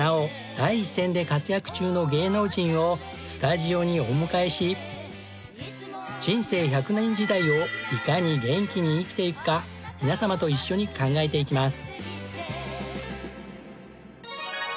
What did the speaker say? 第一線で活躍中の芸能人をスタジオにお迎えし人生１００年時代をいかに元気に生きていくか皆様と一緒に考えていきます。